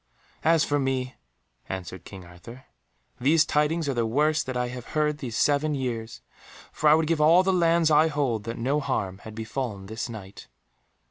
"As for me," answered King Arthur, "these tidings are the worst that I have heard these seven years, for I would give all the lands I hold that no harm had befallen this Knight."